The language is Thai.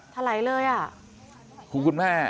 ถลายเลยอะ